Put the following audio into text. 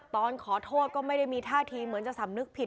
ตอนขอโทษก็ไม่ได้มีท่าทีเหมือนจะสำนึกผิด